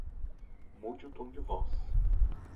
Mude o tom de voz